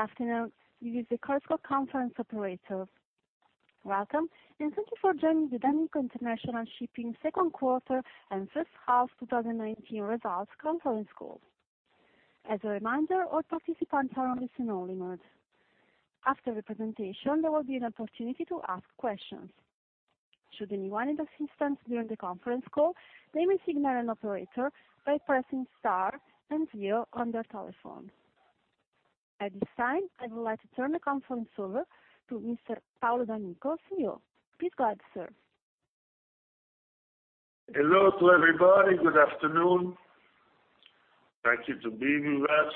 Good afternoon. This is the Chorus Call conference operator. Welcome, and thank you for joining the d'Amico International Shipping second quarter and first half 2019 results conference call. As a reminder, all participants are on listen only mode. After the presentation, there will be an opportunity to ask questions. Should anyone need assistance during the conference call, they may signal an operator by pressing star zero on their telephone. At this time, I would like to turn the conference over to Mr. Paolo d'Amico, CEO. Please go ahead, sir. Hello to everybody. Good afternoon. Thank you to being with us.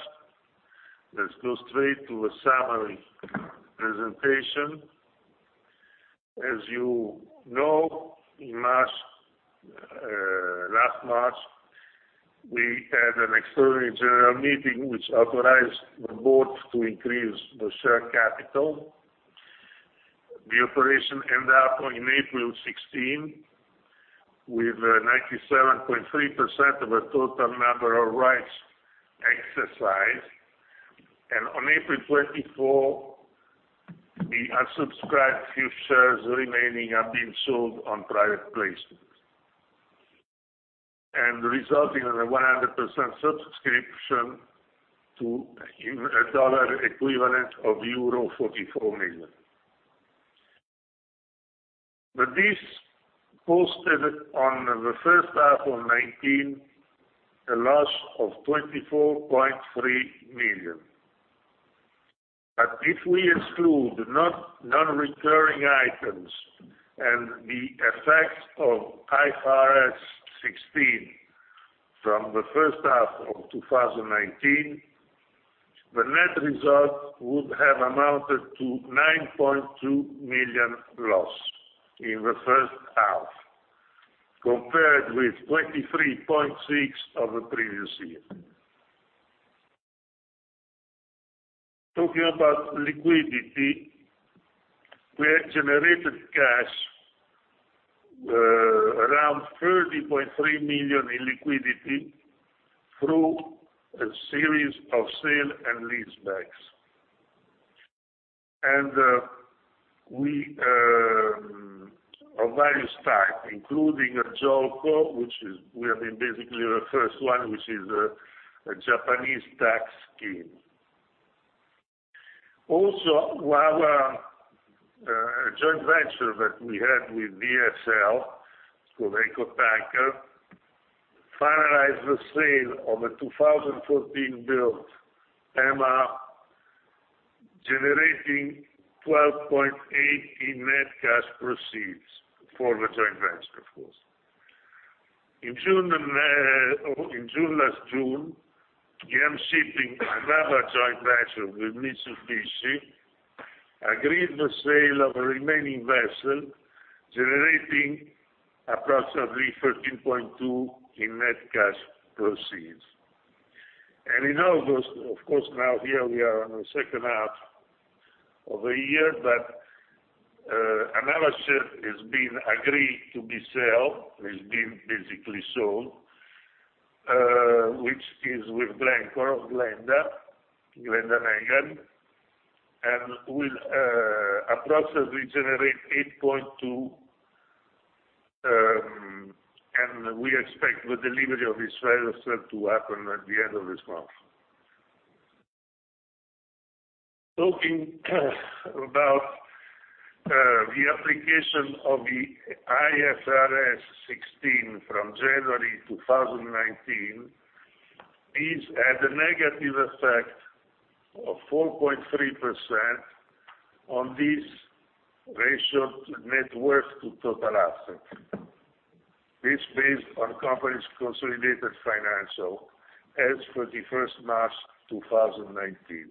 Let's go straight to the summary presentation. As you know, last March, we had an extraordinary general meeting which authorized the board to increase the share capital. The operation ended up on April 16 with 97.3% of the total number of rights exercised. On April 24, the unsubscribed few shares remaining have been sold on private placement, resulting in a 100% subscription to a dollar equivalent of euro 44 million. This posted on the first half of 2019, a loss of 24.3 million. If we exclude non-recurring items and the effect of IFRS 16 from the first half of 2019, the net result would have amounted to 9.2 million loss in the first half, compared with 23.6 million of the previous year. Talking about liquidity, we had generated cash around 30.3 million in liquidity through a series of sale and leasebacks of various types, including a JOLCO, we have been basically the first one, which is a Japanese tax scheme. Our joint venture that we had with DSL, it's called Eco Tankers, finalized the sale of a 2014 build MR, generating 12.8 in net cash proceeds for the joint venture, of course. In last June, DM Shipping, another joint venture with Mitsubishi, agreed the sale of a remaining vessel, generating approximately 13.2 in net cash proceeds. In August, of course, now here we are on the second half of the year, but another ship has been agreed to be sold, has been basically sold, which is with Glencore, Glenda Megan, and will approximately generate 8.2. We expect the delivery of this vessel to happen at the end of this month. Talking about the application of the IFRS 16 from January 2019, this had a negative effect of 4.3% on this ratio to net worth to total asset. This based on company's consolidated financial as for the first March 2019.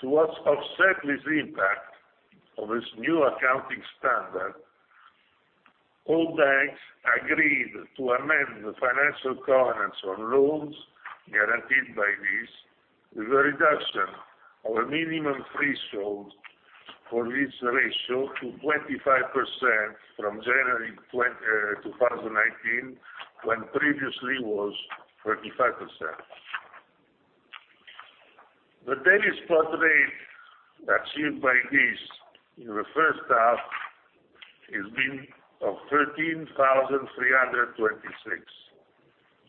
To offset this impact of this new accounting standard, all banks agreed to amend the financial covenants on loans guaranteed by this, with a reduction of a minimum threshold for this ratio to 25% from January 2019, when previously it was 35%. The daily spot rate achieved by this in the first half has been of $13,326,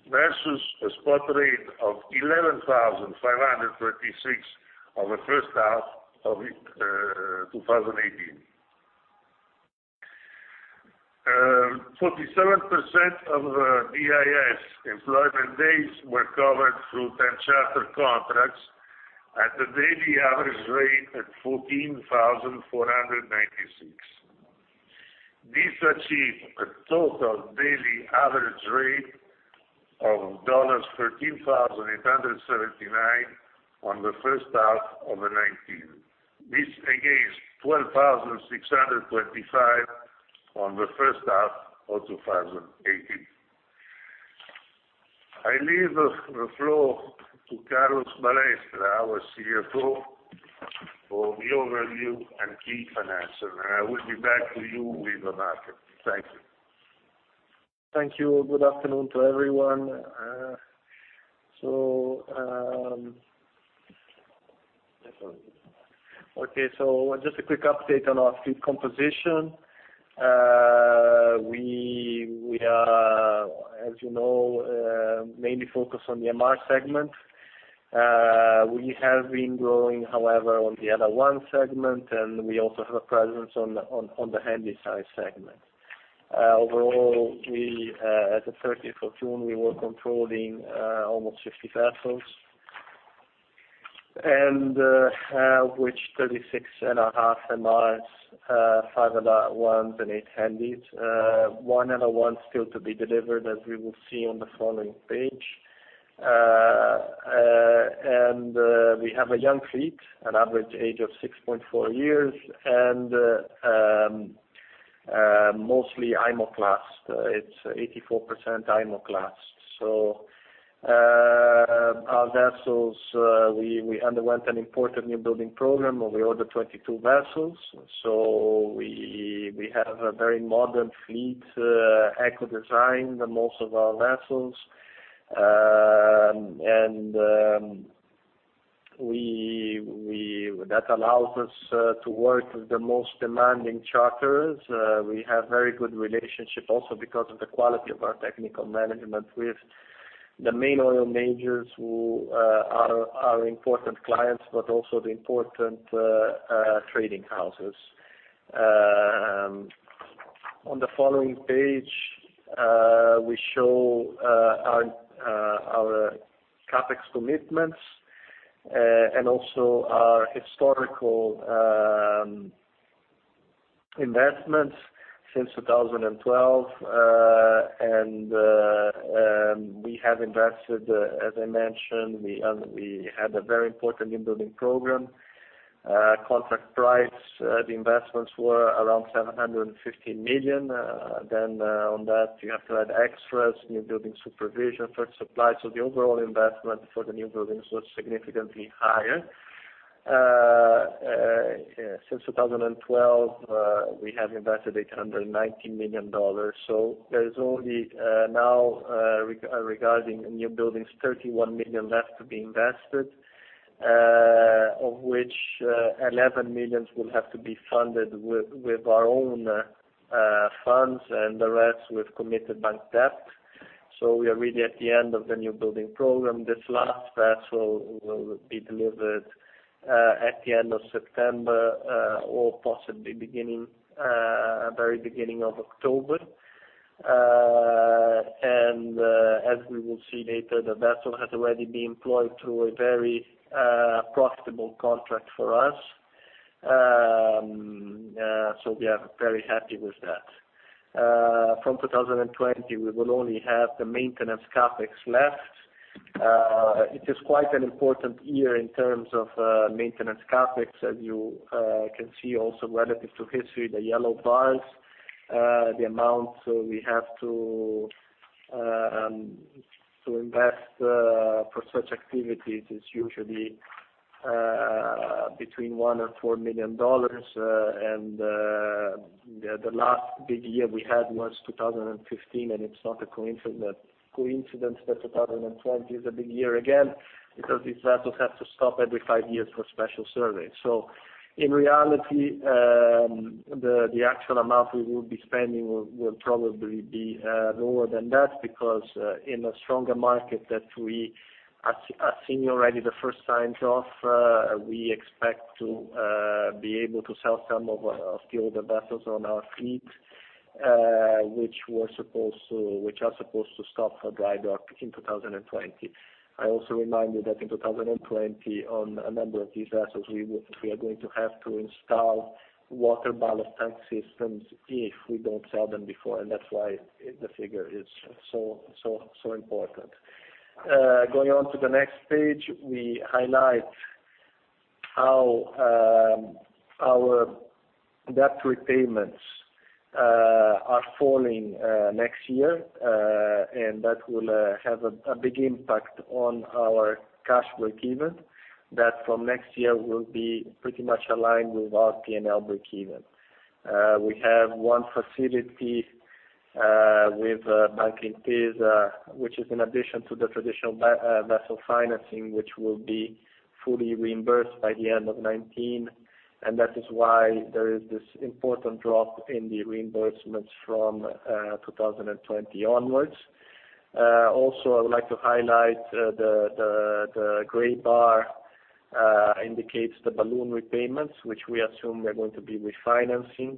versus a spot rate of $11,536 on the first half of 2018. 47% of the DIS employment days were covered through time charter contracts at a daily average rate at $14,496. This achieved a total daily average rate of $13,879 on the first half of 2019. This against $12,625 on the first half of 2018. I leave the floor to Carlos Balestra di Mottola, our CFO, for the overview and key financial. I will be back to you with the market. Thank you. Thank you. Good afternoon to everyone. Okay. Just a quick update on our fleet composition. We are, as you know, mainly focused on the MR segment. We have been growing, however, on the LR1 segment, and we also have a presence on the Handysize segment. Overall, as of 30th June, we were controlling almost 50 vessels, and of which 36 and a half are MRs, five are LR1s and eight Handysize. One LR1 still to be delivered, as we will see on the following page. We have a young fleet, an average age of 6.4 years, and mostly IMO class. It's 84% IMO class. Our vessels, we underwent an important new building program where we ordered 22 vessels. We have a very modern fleet, eco-design in most of our vessels. That allows us to work with the most demanding charters. We have very good relationship also because of the quality of our technical management with the main oil majors who are important clients, but also the important trading houses. On the following page, we show our CapEx commitments, and also our historical investments since 2012. We have invested, as I mentioned, we had a very important new building program, contract price. The investments were around $750 million. On that, you have to add extras, new building supervision, third supply. The overall investment for the new buildings was significantly higher. Since 2012, we have invested $890 million. There is only now, regarding new buildings, $31 million left to be invested, of which $11 million will have to be funded with our own funds and the rest with committed bank debt. We are really at the end of the new building program. This last vessel will be delivered at the end of September, or possibly beginning, very beginning of October. As we will see later, the vessel has already been employed through a very profitable contract for us. We are very happy with that. From 2020, we will only have the maintenance CapEx left. It is quite an important year in terms of maintenance CapEx, as you can see also relative to history, the yellow bars. The amount we have to invest for such activities is usually between $1 million and $4 million. The last big year we had was 2015, and it is not a coincidence that 2020 is a big year again because these vessels have to stop every five years for a special survey. In reality, the actual amount we will be spending will probably be lower than that because in a stronger market that we are seeing already the first signs of, we expect to be able to sell some of the vessels on our fleet which are supposed to stop for dry dock in 2020. I also remind you that in 2020, on a number of these vessels, we are going to have to install ballast water treatment systems if we don't sell them before, and that's why the figure is so important. Going on to the next page, we highlight how our debt repayments are falling next year, and that will have a big impact on our cash break-even. That from next year will be pretty much aligned with our P&L break-even. We have one facility with Banca Intesa, which is in addition to the traditional vessel financing, which will be fully reimbursed by the end of 2019, and that is why there is this important drop in the reimbursements from 2020 onwards. I would like to highlight the gray bar indicates the balloon repayments, which we assume we are going to be refinancing.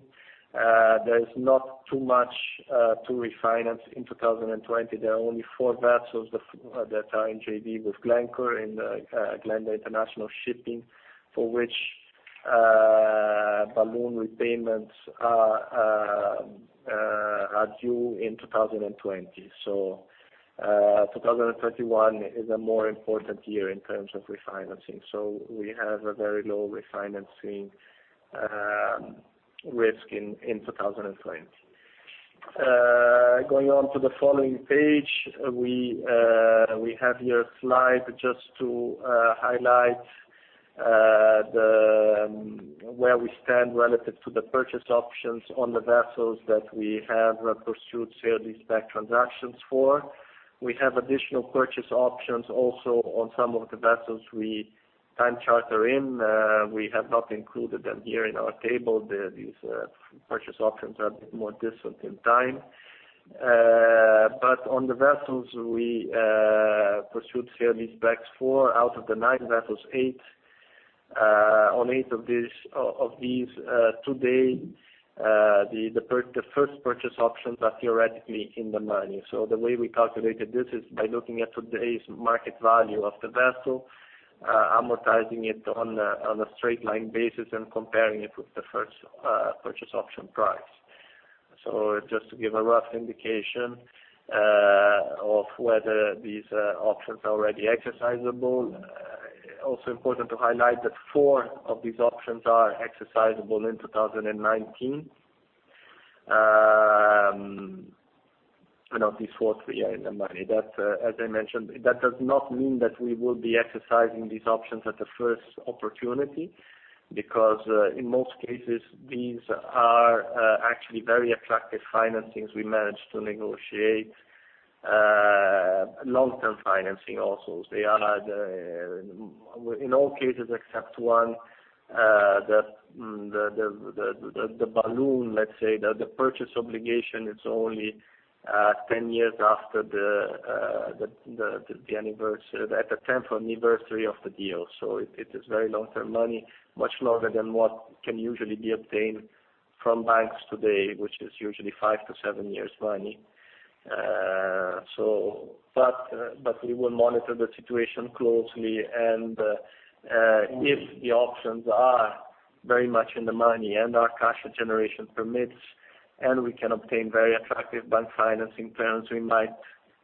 There is not too much to refinance in 2020. There are only four vessels that are in JV with Glencore in Glenda International Shipping, for which balloon repayments are due in 2020. 2031 is a more important year in terms of refinancing. We have a very low refinancing risk in 2020. Going on to the following page, we have here a slide just to highlight where we stand relative to the purchase options on the vessels that we have pursued sale and leaseback transactions for. We have additional purchase options also on some of the vessels we time charter in. We have not included them here in our table. These purchase options are a bit more distant in time. On the vessels we pursued sale and leasebacks for, out of the nine vessels, on eight of these today the first purchase options are theoretically in the money. The way we calculated this is by looking at today's market value of the vessel, amortizing it on a straight line basis and comparing it with the first purchase option price. Just to give a rough indication of whether these options are already exercisable. Also important to highlight that four of these options are exercisable in 2019. Of these four, three are in the money. As I mentioned, that does not mean that we will be exercising these options at the first opportunity because, in most cases, these are actually very attractive financings we managed to negotiate, long-term financing also. They are in all cases except one the balloon, let's say, the purchase obligation is only 10 years after at the 10th anniversary of the deal. It is very long-term money, much longer than what can usually be obtained from banks today, which is usually 5 to 7 years money. We will monitor the situation closely and if the options are very much in the money and our cash generation permits and we can obtain very attractive bank financing terms, we might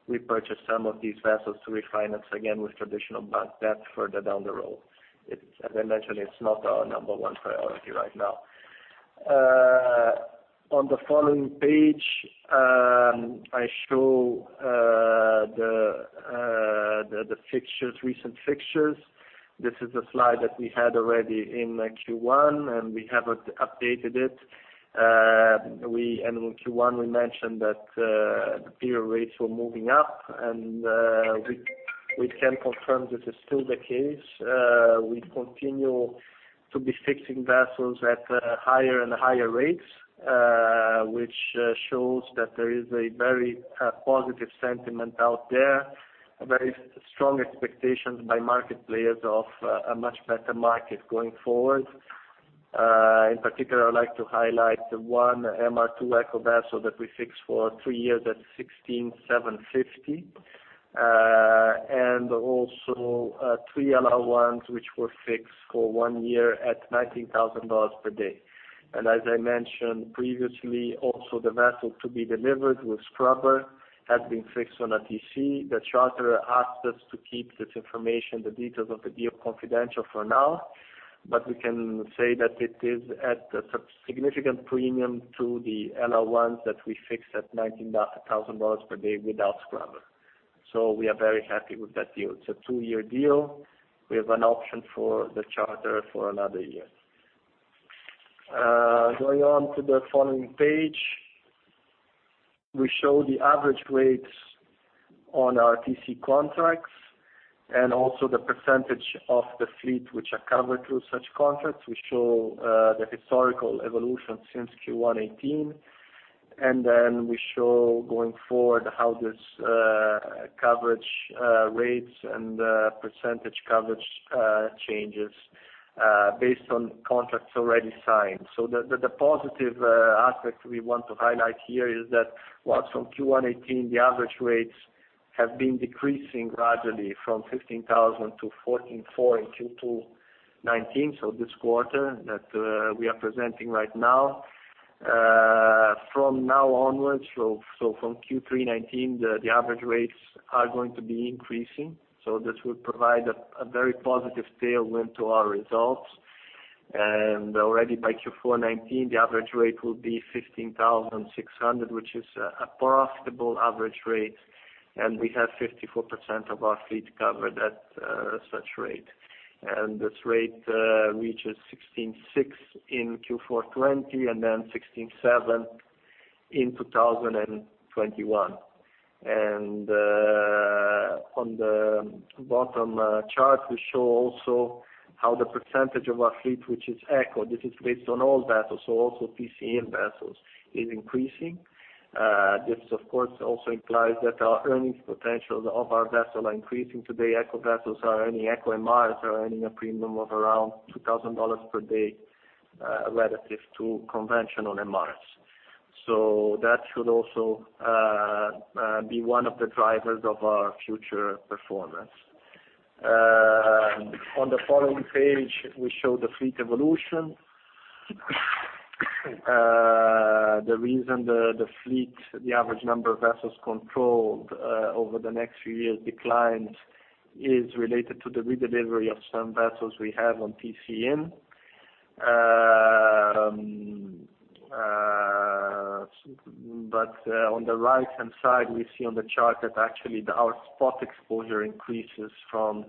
repurchase some of these vessels to refinance again with traditional bank debt further down the road. As I mentioned, it's not our number one priority right now. On the following page, I show the recent fixtures. This is a slide that we had already in Q1, and we haven't updated it. In Q1, we mentioned that the PO rates were moving up, and we can confirm this is still the case. We continue to be fixing vessels at higher and higher rates, which shows that there is a very positive sentiment out there, very strong expectations by market players of a much better market going forward. In particular, I'd like to highlight the one MR2 ECO vessel that we fixed for three years at $16,750, and also three LR1s, which were fixed for one year at $19,000 per day. As I mentioned previously, also the vessel to be delivered with scrubber has been fixed on a TC. The charterer asked us to keep this information, the details of the deal confidential for now, but we can say that it is at a significant premium to the LR1s that we fixed at $19,000 per day without scrubber. We are very happy with that deal. It's a two-year deal. We have an option for the charter for another year. Going on to the following page, we show the average rates on our TC contracts and also the percentage of the fleet which are covered through such contracts. We show the historical evolution since Q1 2018, and then we show going forward how this coverage rates and percentage coverage changes based on contracts already signed. The positive aspect we want to highlight here is that whilst from Q1 2018, the average rates have been decreasing gradually from $15,000 to $14,400 in Q2 2019, this quarter that we are presenting right now. From now onwards, from Q3 2019, the average rates are going to be increasing. This will provide a very positive tailwind to our results. Already by Q4 2019, the average rate will be $15,600, which is a profitable average rate. We have 54% of our fleet covered at such rate. This rate reaches $16,600 in Q4 2020 and then $16,700 in 2021. On the bottom chart, we show also how the percentage of our fleet, which is ECO. This is based on all vessels, so also TC-in vessels, is increasing. This of course, also implies that our earnings potential of our vessels are increasing. Today, ECO vessels are earning, ECO MRs are earning a premium of around $2,000 per day, relative to conventional MRs. On the following page, we show the fleet evolution. The reason the fleet, the average number of vessels controlled over the next few years declines is related to the redelivery of some vessels we have on TC-in. On the right-hand side, we see on the chart that actually our spot exposure increases from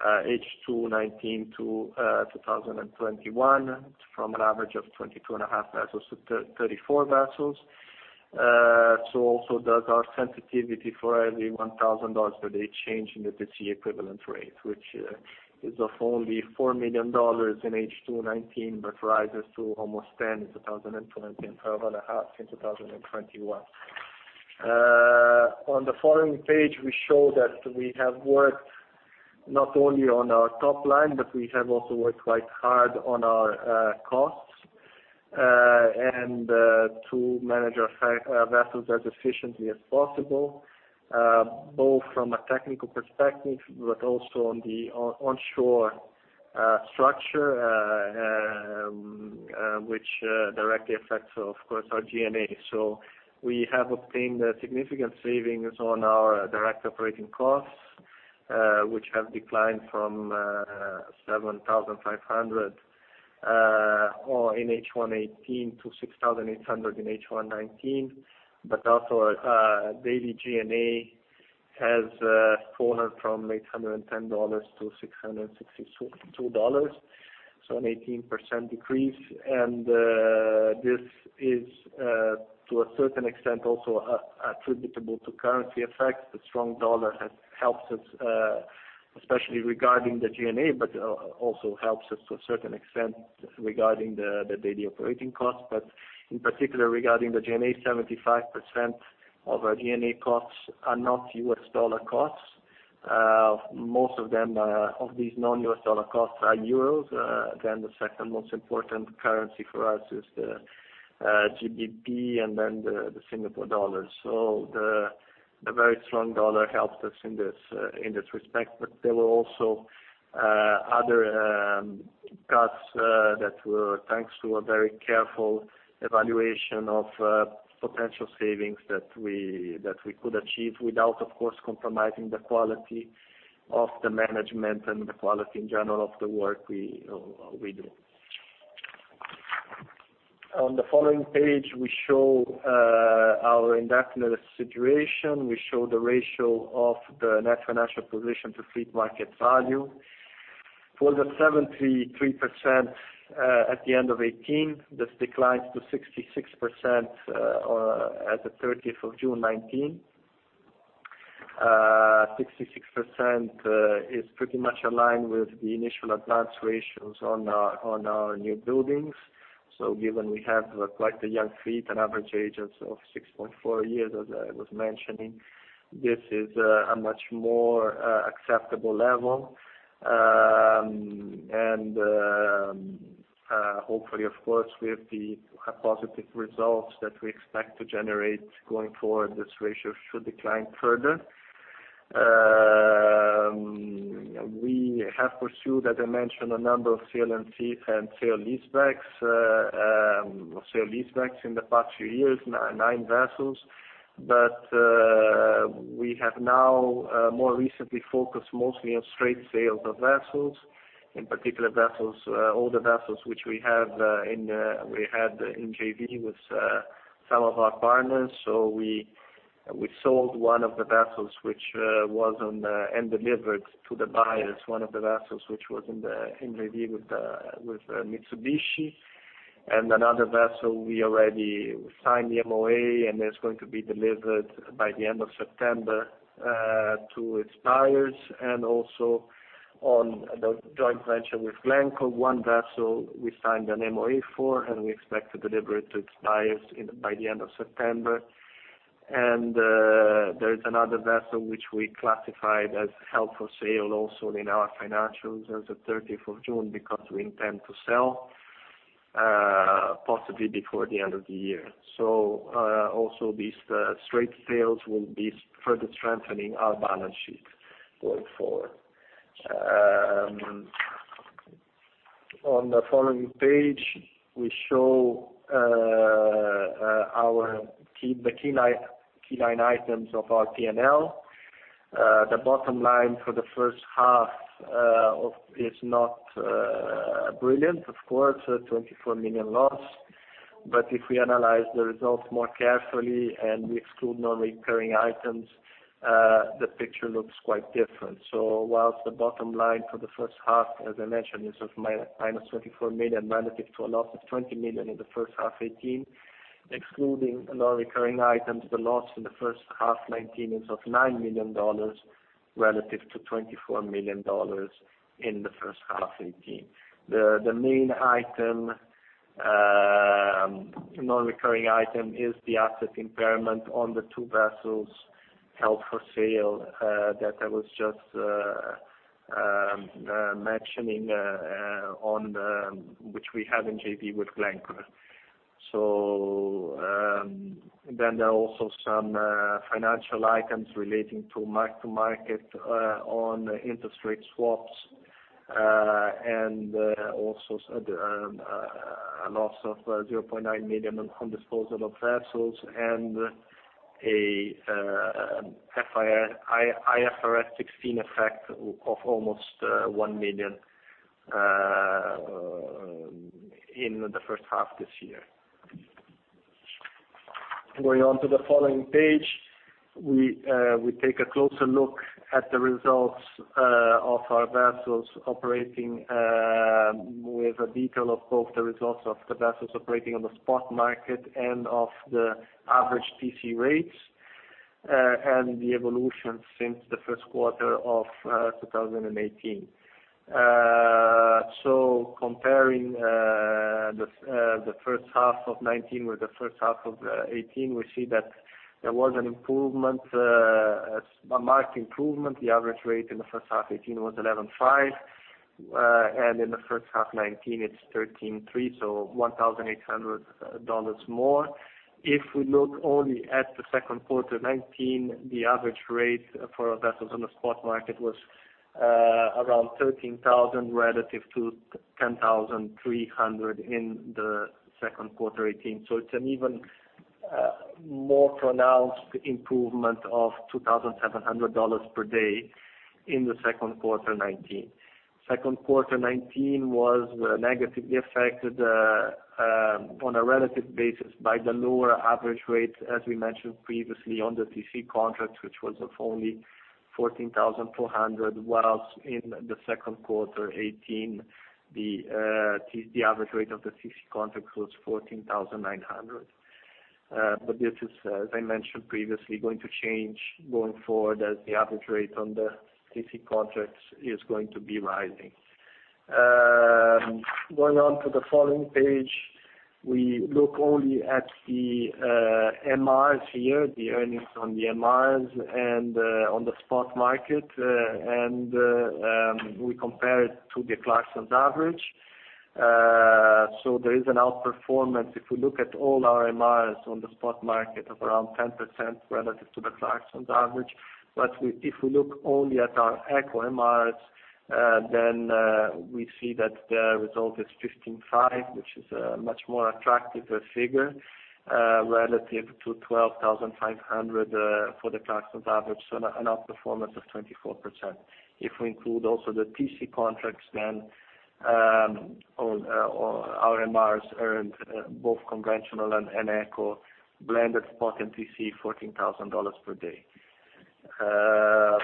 H2 2019 to 2021 from an average of 22.5 vessels to 34 vessels. Also does our sensitivity for every $1,000 per day change in the Time Charter Equivalent rate, which is of only $4 million in H2 2019, but rises to almost $10 million in 2020 and $12.5 million in 2021. On the following page, we show that we have worked not only on our top line, but we have also worked quite hard on our costs, and to manage our vessels as efficiently as possible, both from a technical perspective but also on the onshore structure, which directly affects, of course, our G&A. We have obtained significant savings on our direct operating costs, which have declined from 7,500 in H1 2018 to 6,800 in H1 2019, but also daily G&A has fallen from $810-$662, an 18% decrease. This is to a certain extent also attributable to currency effects. The strong U.S. dollar has helped us, especially regarding the G&A, but also helps us to a certain extent regarding the daily operating costs. In particular, regarding the G&A, 75% of our G&A costs are not U.S. dollar costs. Most of these non-U.S. dollar costs are EUR. The second most important currency for us is the GBP and the SGD. The very strong dollar helps us in this respect. There were also other cuts that were thanks to a very careful evaluation of potential savings that we could achieve without, of course, compromising the quality of the management and the quality in general of the work we do. On the following page, we show our indebtedness situation. We show the ratio of the net financial position to fleet market value. For the 73% at the end of 2018, this declines to 66% at the 30th of June 2019. 66% is pretty much aligned with the initial advance ratios on our new buildings. Given we have quite a young fleet, an average age of 6.4 years, as I was mentioning, this is a much more acceptable level. Hopefully, of course, with the positive results that we expect to generate going forward, this ratio should decline further. We have pursued, as I mentioned, a number of sale and leaseback in the past few years, nine vessels. We have now more recently focused mostly on straight sales of vessels, in particular, older vessels which we had in JV with some of our partners. We sold one of the vessels, and delivered to the buyers, one of the vessels which was in the JV with Mitsubishi. Another vessel, we already signed the MOA, and it's going to be delivered by the end of September to its buyers. Also on the joint venture with Glencore, one vessel we signed an MOA for, and we expect to deliver it to its buyers by the end of September. There is another vessel which we classified as held for sale also in our financials as of June 30, because we intend to sell possibly before the end of the year. Also these straight sales will be further strengthening our balance sheet going forward. On the following page, we show the key line items of our P&L. The bottom line for the first half is not brilliant, of course, $24 million loss. If we analyze the results more carefully, and we exclude non-recurring items, the picture looks quite different. Whilst the bottom line for the first half, as I mentioned, is of -$24 million, negative to a loss of $20 million in the first half 2018, excluding non-recurring items, the loss in the first half 2019 is of $9 million relative to $24 million in the first half 2018. The main non-recurring item is the asset impairment on the two vessels held for sale that I was just mentioning, which we have in JV with Glencore. There are also some financial items relating to mark to market on interest rate swaps, and also a loss of $0.9 million on disposal of vessels and an IFRS 16 effect of almost $1 million in the first half this year. Going on to the following page, we take a closer look at the results of our vessels operating with a detail of both the results of the vessels operating on the spot market and of the average TC rates, and the evolution since the first quarter of 2018. Comparing the first half of 2019 with the first half of 2018, we see that there was a marked improvement. The average rate in the first half 2018 was $11,500, and in the first half 2019, it's $13,300, $1,800 more. If we look only at the second quarter 2019, the average rate for our vessels on the spot market was around $13,000 relative to $10,300 in the second quarter 2018. It's an even more pronounced improvement of $2,700 per day in the second quarter 2019. Second quarter 2019 was negatively affected on a relative basis by the lower average rate, as we mentioned previously, on the TC contracts, which was of only $14,200, whilst in the second quarter 2018, the average rate of the TC contracts was $14,900. This is, as I mentioned previously, going to change going forward as the average rate on the TC contracts is going to be rising. Going on to the following page, we look only at the MRs here, the earnings on the MRs and on the spot market, and we compare it to the Clarksons average. There is an outperformance if we look at all our MRs on the spot market of around 10% relative to the Clarksons average. If we look only at our ECO MRs, we see that the result is $15,500, which is a much more attractive figure relative to $12,500 for the Clarksons average, an outperformance of 24%. If we include also the TC contracts then, our MRs earned both conventional and ECO, blended spot and TC, $14,000 per day. I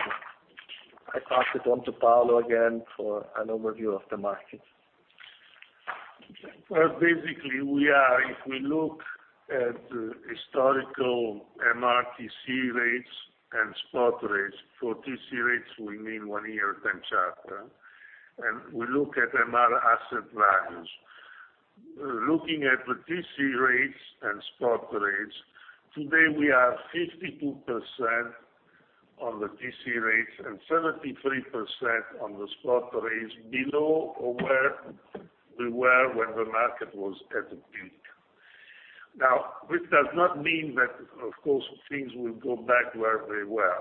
pass it on to Paolo again for an overview of the market. Basically, if we look at historical MR TC rates and spot rates, for TC rates, we mean one year time charter, and we look at MR asset values. Looking at the TC rates and spot rates, today we are 52% on the TC rates and 73% on the spot rates below where we were when the market was at the peak. This does not mean that, of course, things will go back where they were.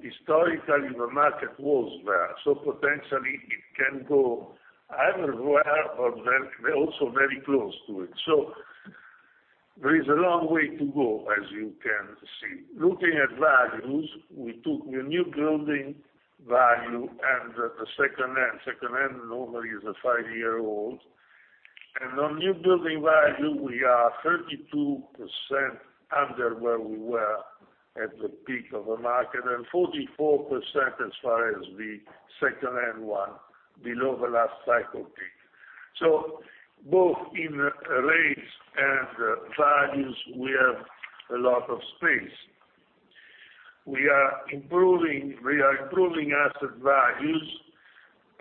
Historically, the market was there. Potentially it can go either where or also very close to it. There is a long way to go, as you can see. Looking at values, we took the new building value and the second-hand. Second-hand normally is a five-year-old. On new building value, we are 32% under where we were at the peak of the market, and 44% as far as the second-hand one below the last cycle peak. Both in rates and values, we have a lot of space. We are improving asset values.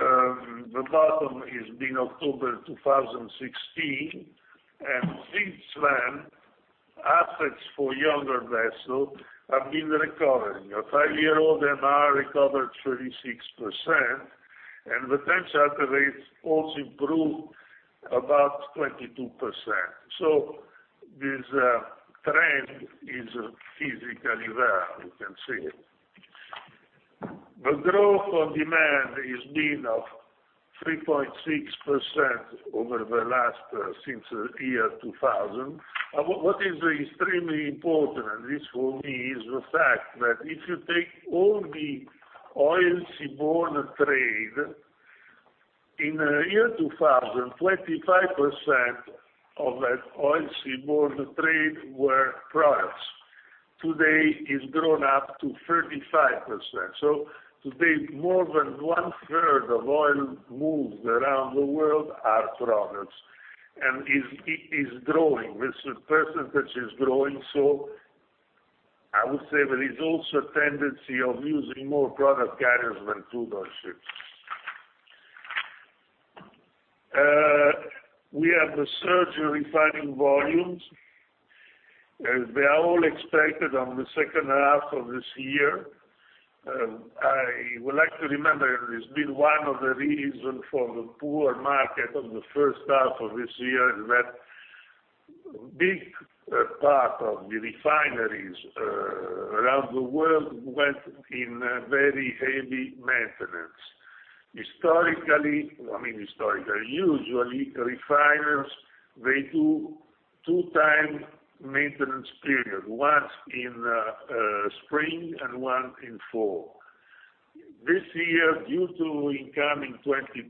The bottom has been October 2016, and since then, assets for younger vessels have been recovering. A 5-year-old MR recovered 36%, and the time charter rates also improved about 22%. This trend is physically there, you can see it. The growth of demand has been of 3.6% since the year 2000. What is extremely important, and this for me, is the fact that if you take all the oil seaborne trade, in the year 2000, 25% of that oil seaborne trade were products. Today, it's grown up to 35%. Today, more than one-third of oil moved around the world are products, and this % is growing. I would say there is also a tendency of using more product carriers than crude oil ships. We have a surge in refining volumes. They are all expected on the second half of this year. I would like to remember, it's been one of the reasons for the poor market on the first half of this year is that big part of the refineries around the world went in very heavy maintenance. Historically, I mean, usually refiners, they do two times maintenance period, once in spring and one in fall. This year, due to IMO 2020,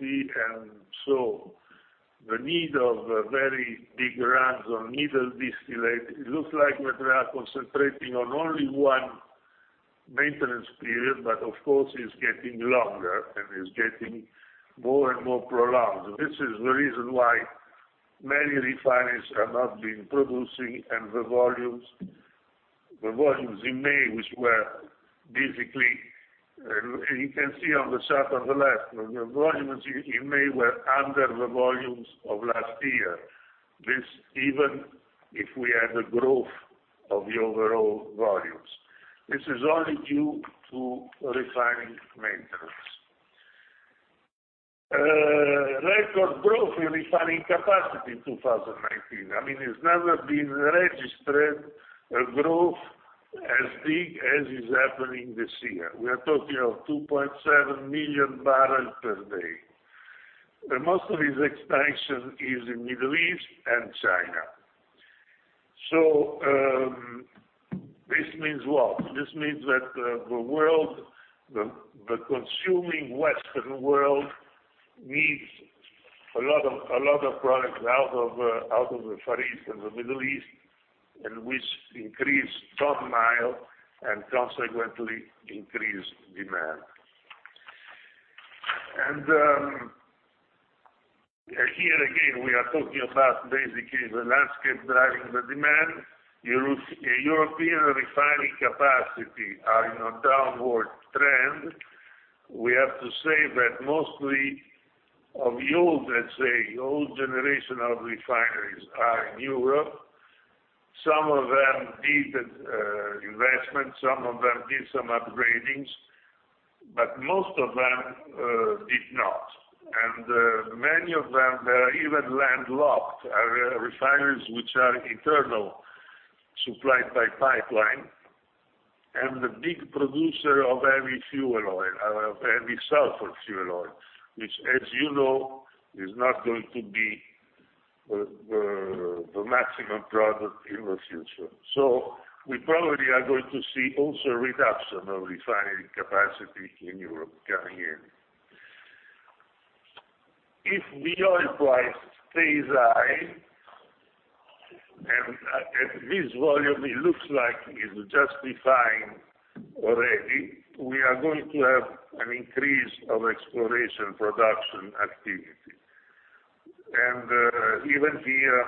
and so the need of very big runs on middle distillate, it looks like that they are concentrating on only one maintenance period, but of course, it's getting longer, and it's getting more and more prolonged. This is the reason why many refineries have not been producing. The volumes in May, which were basically you can see on the chart on the left, were under the volumes of last year. This even if we had a growth of the overall volumes. This is only due to refinery maintenance. Record growth in refining capacity in 2019. It's never been registered a growth as big as is happening this year. We are talking of 2.7 million barrels per day. Most of this expansion is in Middle East and China. This means what? This means that the consuming Western world needs a lot of products out of the Far East and the Middle East, which increase ton-mile and consequently increase demand. Here again, we are talking about basically the landscape driving the demand. European refining capacity are in a downward trend. We have to say that mostly of the old, let's say, old generation of refineries are in Europe. Some of them did investment, some of them did some upgradings, but most of them did not. Many of them, they're even landlocked. Are refineries which are internal, supplied by pipeline, and the big producer of High Sulfur Fuel Oil, which as you know, is not going to be the maximum product in the future. We probably are going to see also reduction of refinery capacity in Europe coming in. If the oil price stays high, and at this volume, it looks like it's justifying already, we are going to have an increase of exploration production activity. Even here,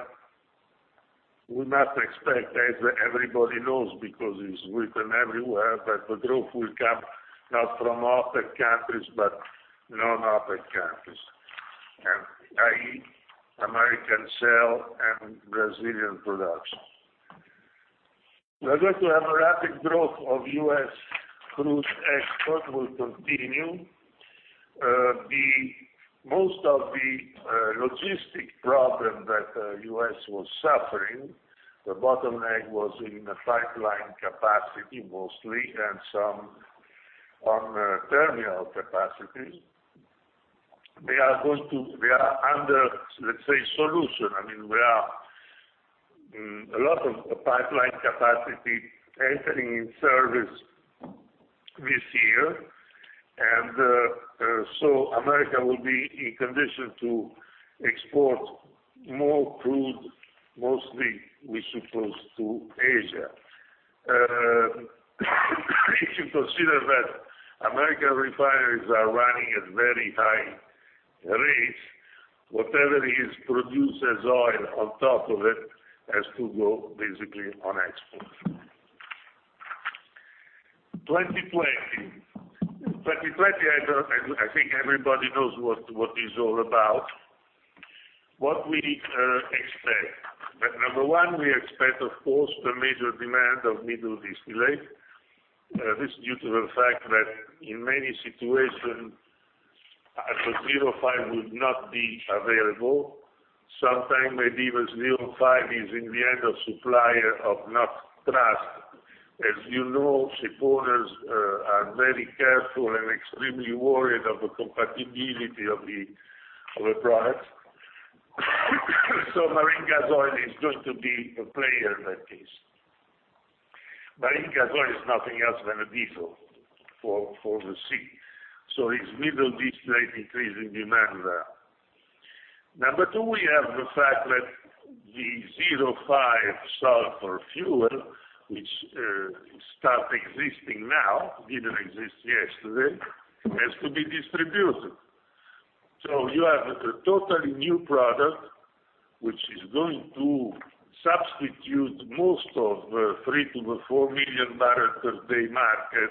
we must expect, as everybody knows, because it is written everywhere, that the growth will come not from OPEC countries, but non-OPEC countries, i.e., American shale and Brazilian production. We are going to have a rapid growth of U.S. crude export will continue. Most of the logistic problem that U.S. was suffering, the bottleneck was in the pipeline capacity mostly and some on terminal capacity. They are under, let's say, solution. We are a lot of pipeline capacity entering in service this year. America will be in condition to export more crude, mostly we suppose to Asia. If you consider that American refineries are running at very high rates, whatever is produced as oil on top of it, has to go basically on export. 2020. 2020, I think everybody knows what this all about. What we expect? Number one, we expect, of course, the major demand of middle distillate. Due to the fact that in many situation, the 0.5 would not be available. Sometime maybe the 0.5 is in the end a supplier of not trust. As you know, shippers are very careful and extremely worried of the compatibility of a product. Marine gas oil is going to be the player in that case. Marine gas oil is nothing else than a diesel for the sea. It's middle distillate increase in demand there. Number two, we have the fact that the 0.5 sulfur fuel, which start existing now, didn't exist yesterday, has to be distributed. You have a totally new product, which is going to substitute most of the 3 million to 4 million barrels per day market,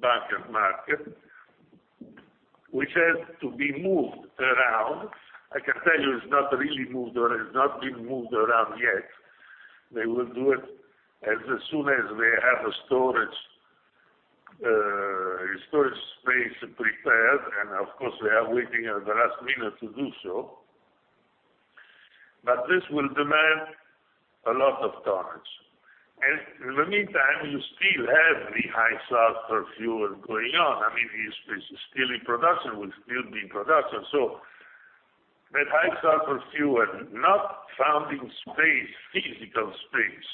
bunker market, which has to be moved around. I can tell you it's not really moved or it's not been moved around yet. They will do it as soon as they have a storage space prepared, and of course, they are waiting at the last minute to do so. This will demand a lot of tonnage. In the meantime, you still have the High Sulfur Fuel going on. It is still in production, will still be in production. That High Sulfur Fuel not found in space, physical space,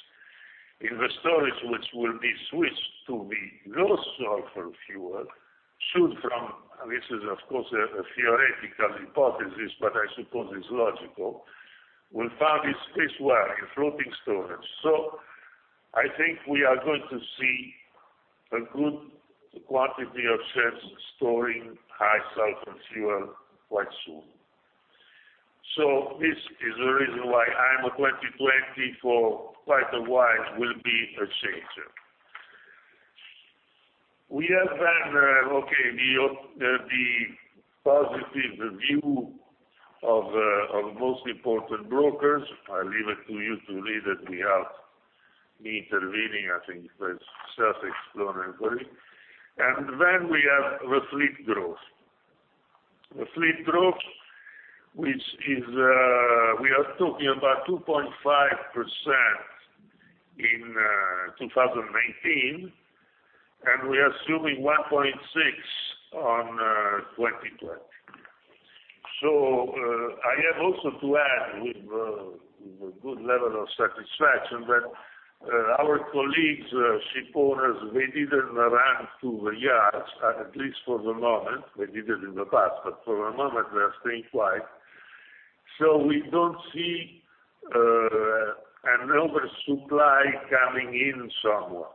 in the storage, which will be switched to the Low Sulfur Fuel soon from, this is, of course, a theoretical hypothesis, but I suppose it's logical, will find its space well in floating storage. I think we are going to see a good quantity of ships storing High Sulfur Fuel quite soon. This is the reason why IMO 2020 for quite a while will be a changer. We have had, okay, the positive view of most important brokers. I leave it to you to read it. Me intervening, I think, is self-explanatory. We have the fleet growth. The fleet growth, we are talking about 2.5% in 2019, and we are assuming 1.6% on 2020. I have also to add, with a good level of satisfaction, that our colleagues, shipowners, they didn't run to the yards, at least for the moment. They did it in the past, for the moment, they are staying quiet. We don't see an oversupply coming in somewhere.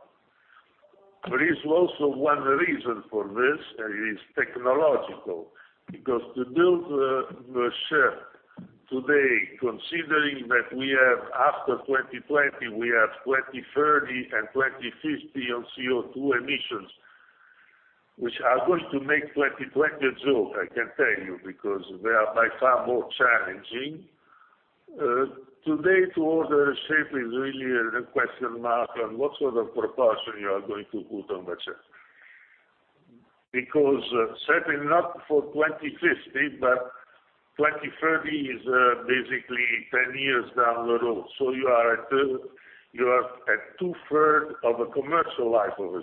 There is also one reason for this, it is technological. To build the ship today, considering that after 2020, we have 2030 and 2050 on CO2 emissions, which are going to make 2020 joke, I can tell you, because they are by far more challenging. Today to order a ship is really a question mark on what sort of propulsion you are going to put on the ship. Certainly not for 2050, but 2030 is basically 10 years down the road. You are at two-third of a commercial life of a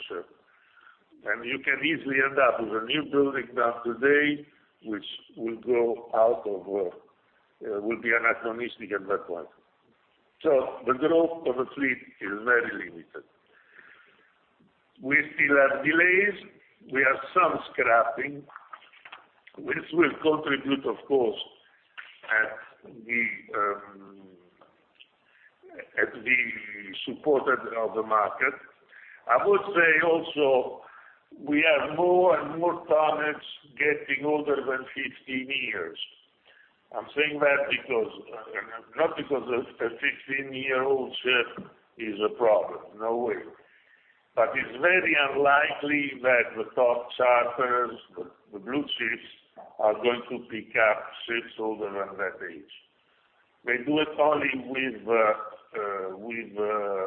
ship. You can easily end up with a new building done today, which will be an anachronistic at that point. The growth of the fleet is very limited. We still have delays. We have some scrapping, which will contribute, of course, at the supported of the market. I would say also, we have more and more tonnage getting older than 15 years. I'm saying that not because a 15-year-old ship is a problem. No way. It's very unlikely that the top charters, the blue chips, are going to pick up ships older than that age. They do it only with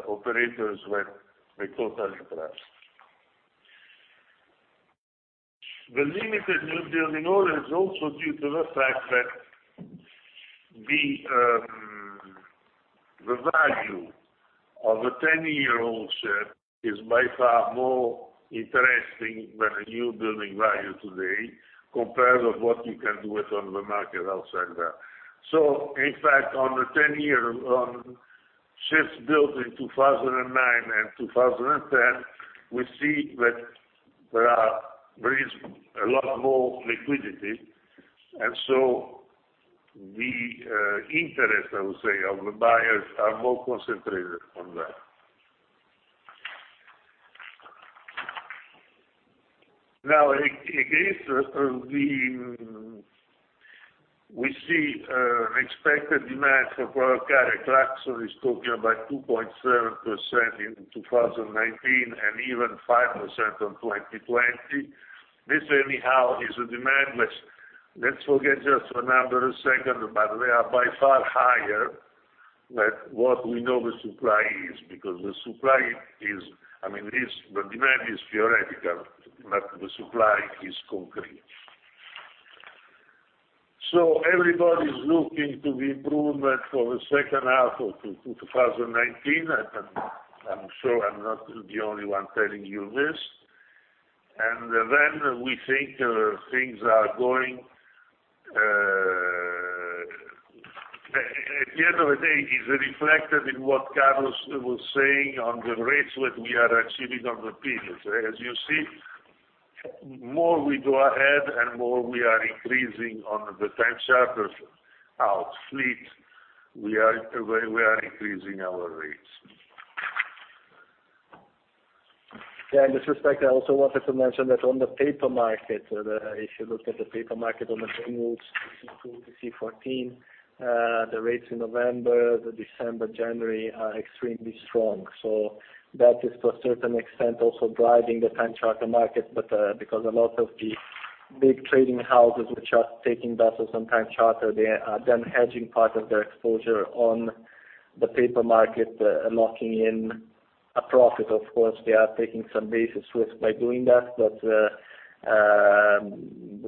operators that they totally trust. The limited new building order is also due to the fact that the value of a 10-year-old ship is by far more interesting than a new building value today, compared with what you can do it on the market outside that. In fact, on the 10-year, on ships built in 2009 and 2010, we see that there is a lot more liquidity. The interest, I would say, of the buyers are more concentrated on that. Now, against this, we see expected demand for cargo. Clarksons is talking about 2.7% in 2019 and even 5% on 2020. This anyhow is a demand, which let's forget just for another second, but they are by far higher than what we know the supply is. The demand is theoretical, but the supply is concrete. Everybody's looking to the improvement for the second half of 2019. I'm sure I'm not the only one telling you this. We think At the end of the day, it's reflected in what Carlos was saying on the rates that we are achieving on the peers. As you see, more we go ahead and more we are increasing on the time charters our fleet, we are increasing our rates. In this respect, I also wanted to mention that on the paper market, if you look at the paper market on the time moves, TC2 to TC14, the rates in November, December, January are extremely strong. That is to a certain extent also driving the time charter market, but because a lot of the big trading houses which are taking vessels on time charter, they are then hedging part of their exposure on the paper market, locking in a profit, of course. They are taking some basis risk by doing that, but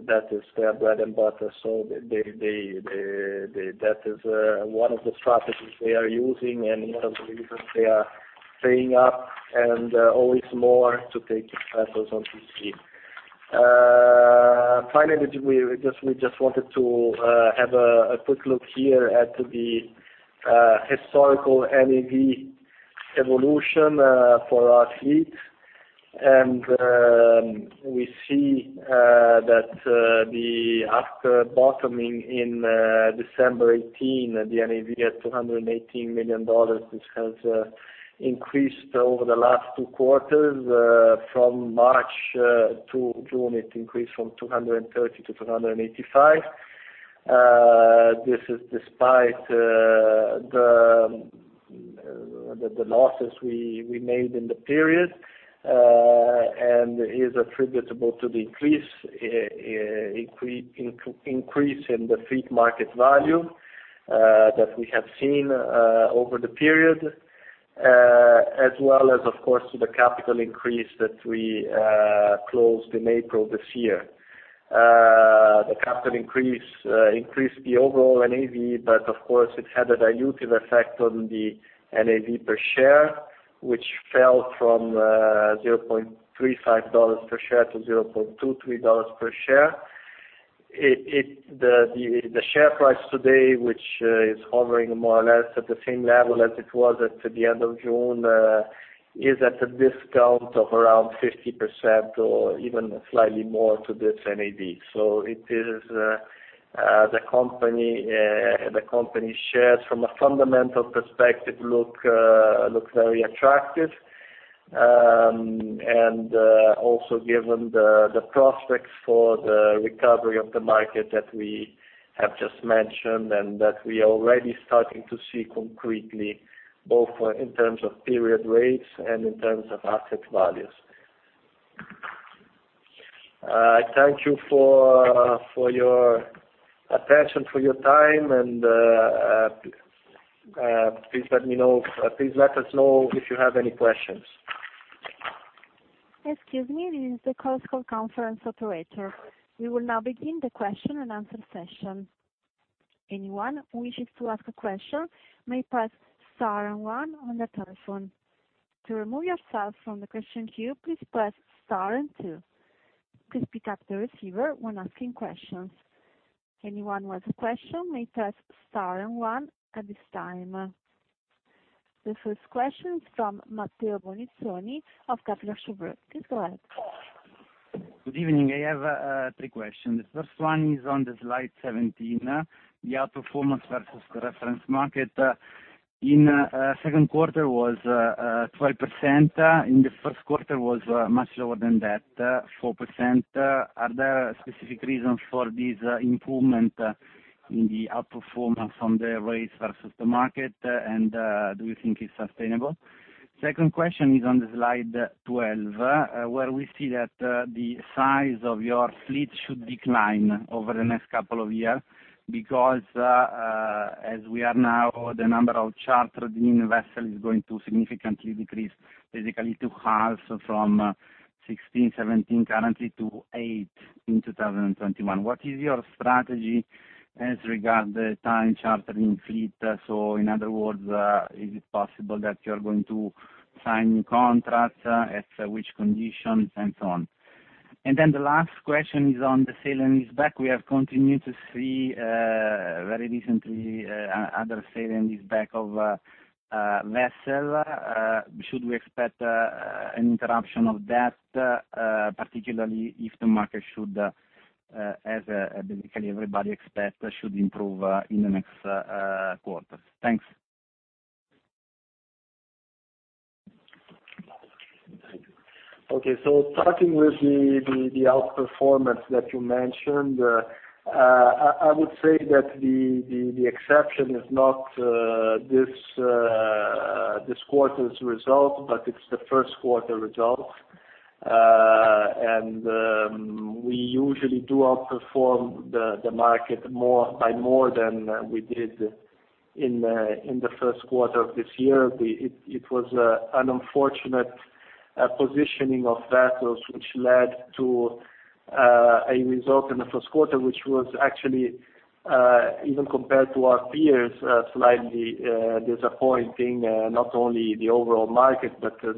that is their bread and butter. That is one of the strategies they are using and one of the reasons they are paying up and always more to take vessels on TC. Finally, we just wanted to have a quick look here at the historical NAV evolution for our fleet. We see that after bottoming in December 2018, the NAV at $218 million, this has increased over the last two quarters. From March to June, it increased from $230 to $285. This is despite the losses we made in the period, and is attributable to the increase in the fleet market value that we have seen over the period, as well as, of course, to the capital increase that we closed in April this year. The capital increased the overall NAV, but of course it had a dilutive effect on the NAV per share, which fell from $0.35 per share to $0.23 per share. The share price today, which is hovering more or less at the same level as it was at the end of June, is at a discount of around 50% or even slightly more to this NAV. The company shares from a fundamental perspective look very attractive, and also given the prospects for the recovery of the market that we have just mentioned and that we are already starting to see concretely, both in terms of period rates and in terms of asset values. I thank you for your attention, for your time, and please let us know if you have any questions. Excuse me. This is the Chorus Call Conference Operator. We will now begin the question and answer session. Anyone who wishes to ask a question may press star and one on their telephone. To remove yourself from the question queue, please press star and two. Please pick up the receiver when asking questions. Anyone with a question may press star and one at this time. The first question is from Matteo Bonizzoni of Kepler Cheuvreux. Please go ahead. Good evening. I have three questions. The first one is on slide 17. The outperformance versus the reference market in second quarter was 12%. In the first quarter was much lower than that, 4%. Are there specific reasons for this improvement in the outperformance on the rates versus the market, and do you think it's sustainable? Second question is on slide 12, where we see that the size of your fleet should decline over the next couple of years because, as we are now, the number of chartered in vessel is going to significantly decrease, basically to half from 16, 17 currently to eight in 2021. What is your strategy as regard the time charter in fleet? In other words, is it possible that you're going to sign contracts, at which conditions, and so on? The last question is on the sale and leaseback. We have continued to see very recently other sale and leaseback of vessel. Should we expect an interruption of that, particularly if the market should, as basically everybody expects, should improve in the next quarters? Thanks. Okay, starting with the outperformance that you mentioned, I would say that the exception is not this quarter's result, but it's the first quarter result. We usually do outperform the market by more than we did in the first quarter of this year. It was an unfortunate positioning of vessels, which led to a result in the first quarter, which was actually, even compared to our peers, slightly disappointing. Not only the overall market, but the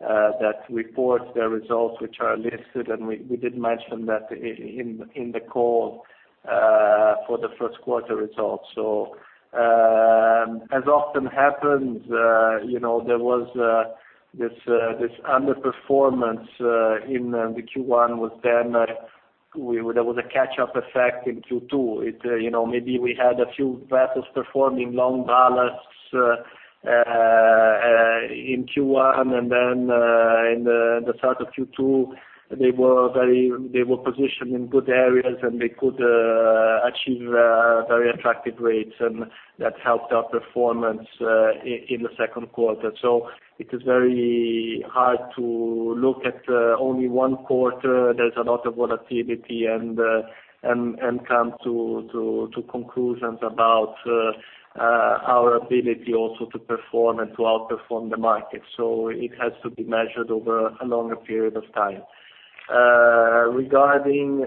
peers that report their results, which are listed, and we did mention that in the call for the first quarter results. As often happens, there was this underperformance in Q1, then there was a catch-up effect in Q2. Maybe we had a few vessels performing long ballast in Q1, and then in the start of Q2, they were positioned in good areas, and they could achieve very attractive rates. That helped our performance in the second quarter. It is very hard to look at only one quarter. There's a lot of volatility and come to conclusions about our ability also to perform and to outperform the market. It has to be measured over a longer period of time. Regarding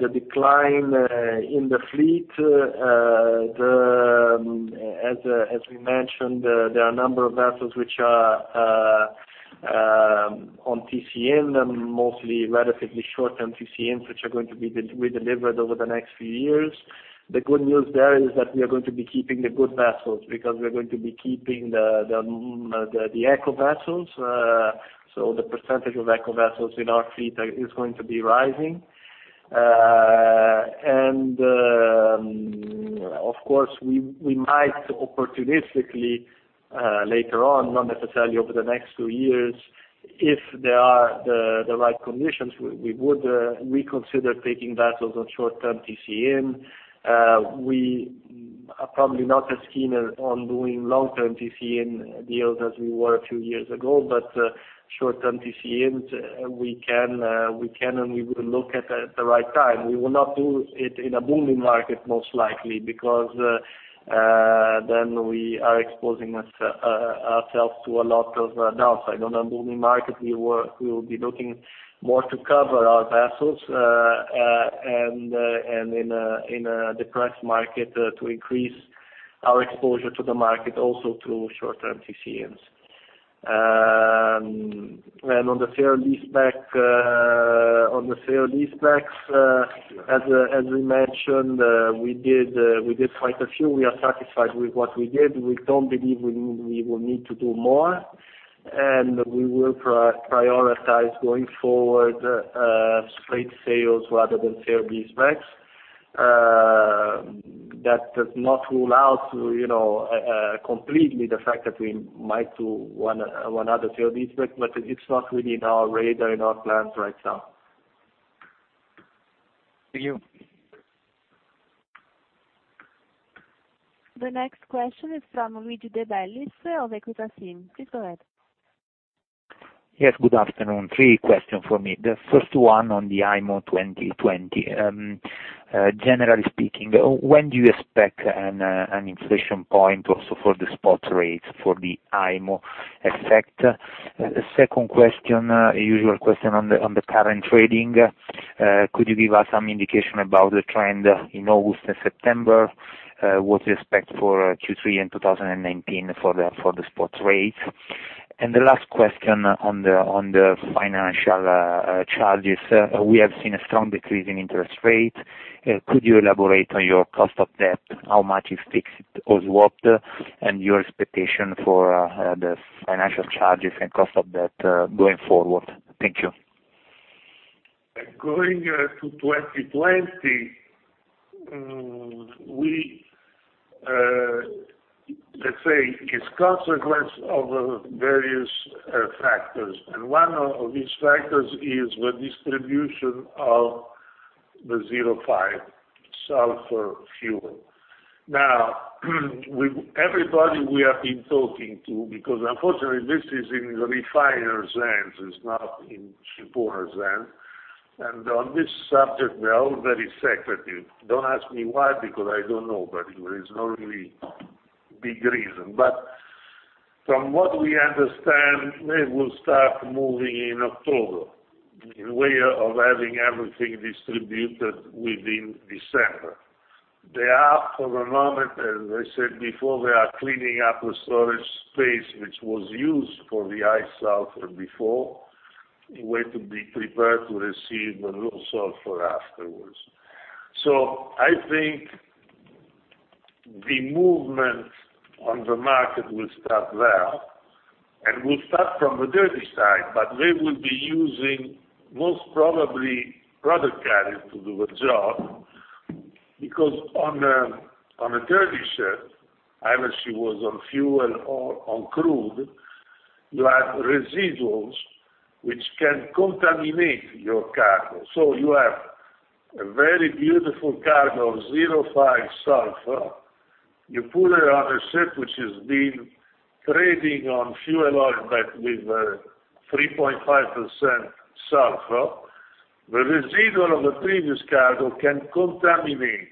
the decline in the fleet, as we mentioned, there are a number of vessels which are on TC-in and mostly relatively short-term TC-ins, which are going to be redelivered over the next few years. The good news there is that we are going to be keeping the good vessels, because we're going to be keeping the eco vessels. The percentage of eco vessels in our fleet is going to be rising. Of course, we might opportunistically later on, not necessarily over the next two years, if there are the right conditions, we would reconsider taking vessels on short-term TCN. We are probably not as keen on doing long-term TCN deals as we were a few years ago. Short-term TCNs, we can and we will look at the right time. We will not do it in a booming market, most likely, because then we are exposing ourselves to a lot of downside. On a booming market, we will be looking more to cover our vessels, and in a depressed market to increase our exposure to the market also through short-term TCNs. On the sale-leasebacks, as we mentioned, we did quite a few. We are satisfied with what we did. We don't believe we will need to do more, and we will prioritize going forward straight sales rather than sale-leasebacks. That does not rule out completely the fact that we might do one other sale-leasebacks, but it's not really on our radar, in our plans right now. Thank you. The next question is from Luigi De Bellis of Equita SIM. Please go ahead. Yes, good afternoon. Three questions from me. The first one on the IMO 2020. Generally speaking, when do you expect an inflection point also for the spot rates for the IMO effect? Second question, usual question on the current trading. Could you give us some indication about the trend in August and September? What do you expect for Q3 in 2019 for the spot rates? The last question on the financial charges. We have seen a strong decrease in interest rate. Could you elaborate on your cost of debt? How much is fixed or swapped, and your expectation for the financial charges and cost of debt going forward? Thank you. Going to 2020, let's say it's a consequence of various factors. One of these factors is the distribution of the 0.5 Sulfur fuel. Everybody we have been talking to, because unfortunately, this is in refiners' hands, it's not in shippers' hands. On this subject, they are all very secretive. Don't ask me why, because I don't know, but there is no really big reason. From what we understand, they will start moving in October in way of having everything distributed within December. As I said before, they are cleaning up the storage space, which was used for the High Sulfur before, in way to be prepared to receive the Low Sulfur afterwards. I think the movement on the market will start there, and will start from the dirty side, but they will be using, most probably, product carriers to do the job because on a dirty ship, either she was on fuel or on crude, you have residuals which can contaminate your cargo. You have a very beautiful cargo of 0.5 sulfur. You put it on a ship which has been trading on fuel oil, but with 3.5% sulfur. The residual of the previous cargo can contaminate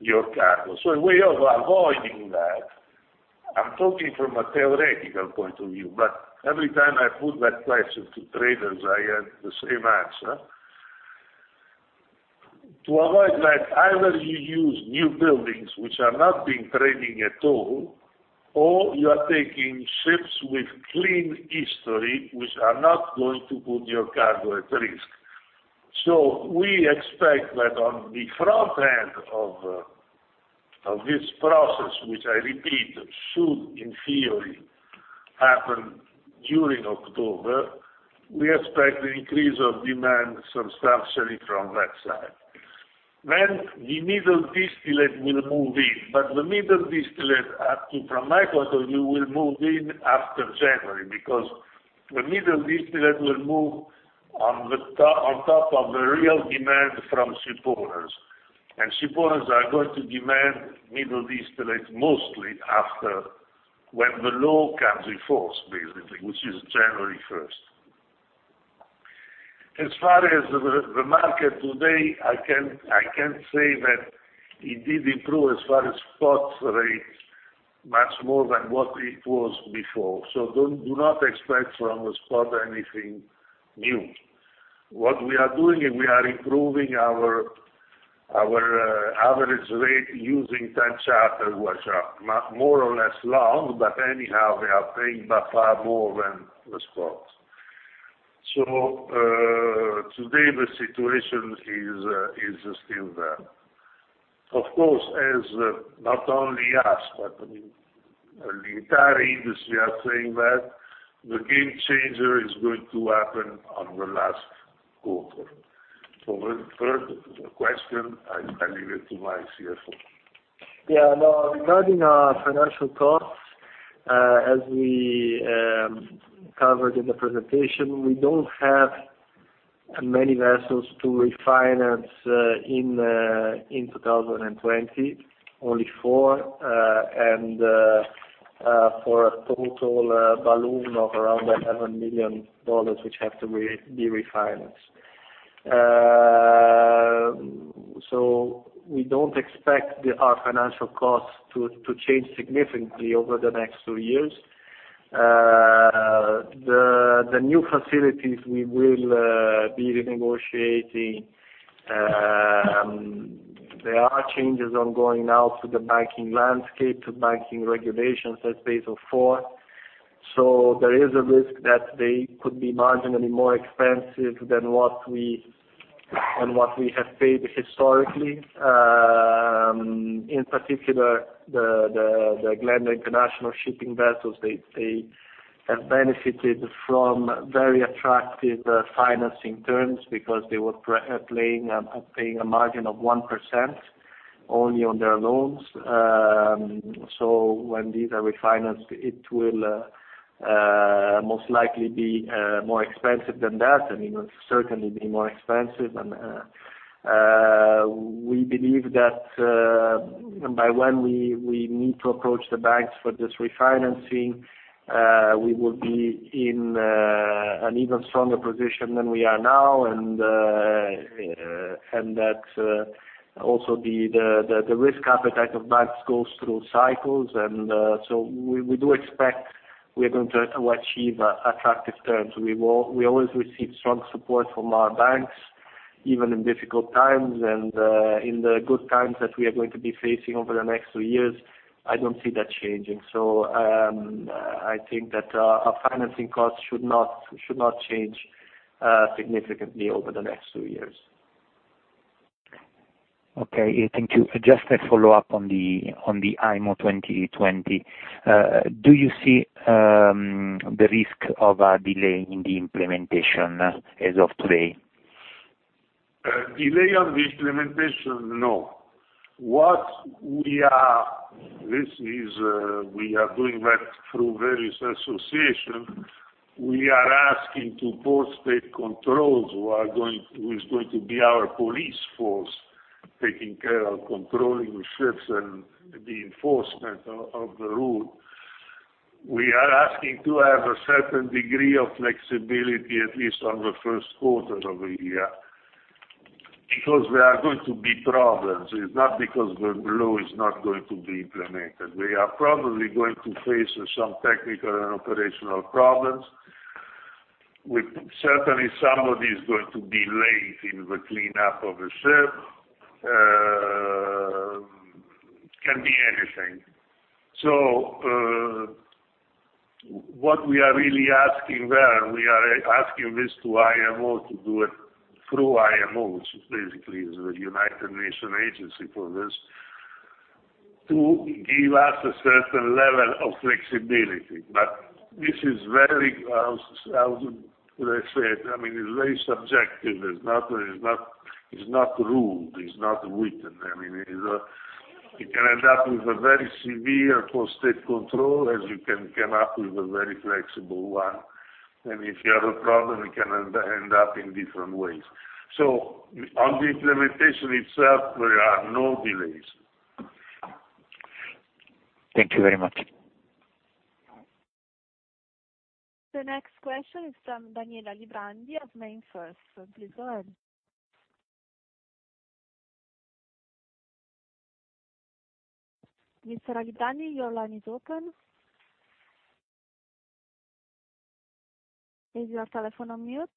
your cargo. A way of avoiding that, I'm talking from a theoretical point of view, but every time I put that question to traders, I have the same answer. To avoid that, either you use new buildings which have not been trading at all, or you are taking ships with clean history which are not going to put your cargo at risk. We expect that on the front end of this process, which I repeat, should in theory happen during October, we expect an increase of demand substantially from that side. The middle distillate will move in, but the middle distillate from my point of view will move in after January, because the middle distillate will move on top of the real demand from shippers. Shipowners are going to demand Middle East rates mostly after when the law comes in force, basically, which is January 1st. As far as the market today, I can say that it did improve as far as spot rates much more than what it was before. Do not expect from the spot anything new. What we are doing is we are improving our average rate using time charter, more or less long, but anyhow, we are paying by far more than the spot. Today the situation is still there. Of course, as not only us, but the entire industry are saying that the game changer is going to happen on the last quarter. The third question, I leave it to my CFO. Regarding our financial costs, as we covered in the presentation, we don't have many vessels to refinance in 2020, only four, for a total balloon of around $11 million, which have to be refinanced. We don't expect our financial costs to change significantly over the next two years. The new facilities we will be renegotiating, there are changes ongoing now to the banking landscape, to banking regulations as Basel IV. There is a risk that they could be marginally more expensive than what we have paid historically. In particular, the Glenda International Shipping vessels, they have benefited from very attractive financing terms because they were paying a margin of 1% only on their loans. When these are refinanced, it will most likely be more expensive than that, it will certainly be more expensive. We believe that by when we need to approach the banks for this refinancing, we will be in an even stronger position than we are now and that also the risk appetite of banks goes through cycles, and so we do expect we are going to achieve attractive terms. We always receive strong support from our banks, even in difficult times, and in the good times that we are going to be facing over the next two years, I don't see that changing. I think that our financing costs should not change significantly over the next two years. Okay. Thank you. Just a follow-up on the IMO 2020. Do you see the risk of a delay in the implementation as of today? Delay on the implementation? No. We are doing that through various associations. We are asking to Port State Controls who is going to be our police force, taking care of controlling the ships and the enforcement of the rule. We are asking to have a certain degree of flexibility, at least on the first quarter of the year, because there are going to be problems. It's not because the law is not going to be implemented. We are probably going to face some technical and operational problems. Certainly, somebody is going to be late in the cleanup of a ship. Can be anything. What we are really asking there, and we are asking this to IMO to do it through IMO, which basically is the United Nations agency for this, to give us a certain level of flexibility. This is very, how they say it's very subjective. It's not ruled. It's not written. You can end up with a very severe port state control as you can come up with a very flexible one. If you have a problem, you can end up in different ways. On the implementation itself, there are no delays. Thank you very much. The next question is from Daniela Librandi of Mainfirst. Please go ahead. Mr. Librandi, your line is open. Is your telephone on mute?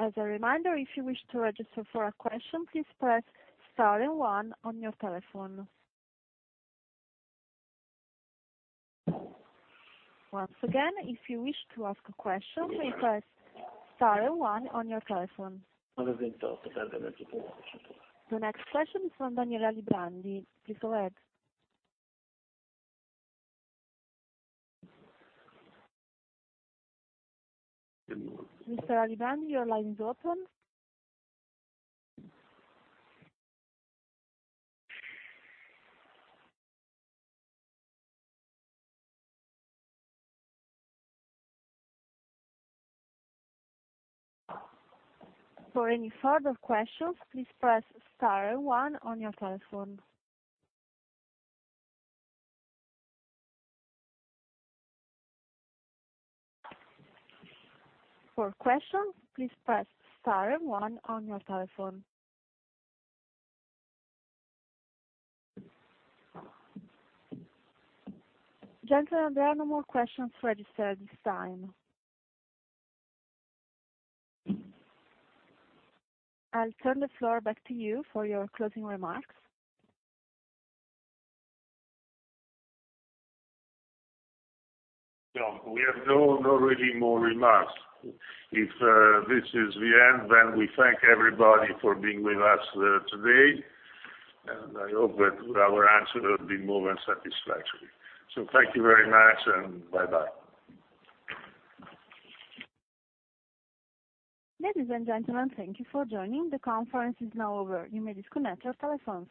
As a reminder, if you wish to register for a question, please press star and one on your telephone. Once again, if you wish to ask a question, please press star and one on your telephone. The next question is from Daniela Librandi. Please go ahead. Mr. Librandi, your line is open. For any further questions, please press star and one on your telephone. For questions, please press star and one on your telephone. Gentlemen, there are no more questions registered at this time. I'll turn the floor back to you for your closing remarks. No. We have no already more remarks. If this is the end, we thank everybody for being with us today, and I hope that our answers have been more than satisfactory. Thank you very much, and bye-bye. Ladies and gentlemen, thank you for joining. The conference is now over. You may disconnect your telephones.